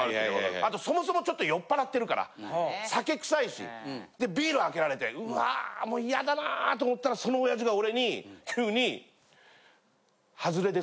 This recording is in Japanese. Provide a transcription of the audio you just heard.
あとそもそもちょっと酔っぱらってるから酒臭いしでビール開けられてうわもうイヤだなと思ったらそのオヤジが俺に急に。